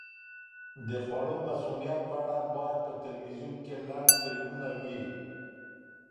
د خوړو مسمومیت په اړه باید په تلویزیون کې لنډ فلمونه وي.